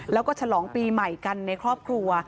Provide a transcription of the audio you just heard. แล้วก็ฉลองปีใหม่กันในครอบครัว